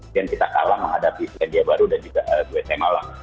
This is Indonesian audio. dan kita kalah menghadapi suki dia baru dan juga gwetemala